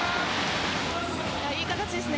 いい形ですね。